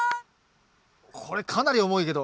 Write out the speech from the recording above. これかなり重いけど。